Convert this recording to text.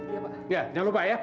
iya jangan lupa ya